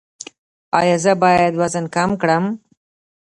ایا زه باید وزن کم کړم؟